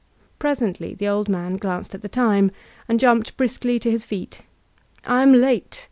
Presently the old man glanced at the time, and jumped briskly to his feet: ''I am late.